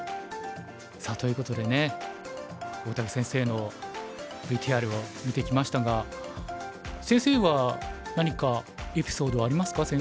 さあということでね大竹先生のＶＴＲを見てきましたが先生は何かエピソードありますか？